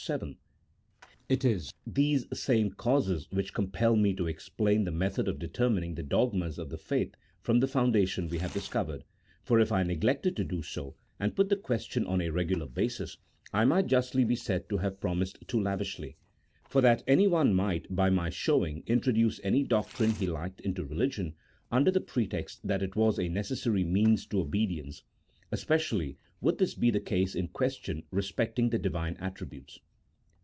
VII. ? It is these same causes which compel me to explain the method of determining the dogmas of the faith from the foundation we have discovered, for if I neglected to do so, and put the question on a regular basis, I might justly be said to have promised too lavishly, for that anyone might, by my showing, introduce any doc trine he liked into religion, under the pretext that it was a necessary means to obedience : especially would this be the case in questions respecting the Divine attributes.